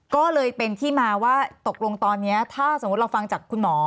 ก็เลยเป็นที่มาว่าตกลงตอนนี้ถ้าสมมุติเราฟังจากคุณหมอ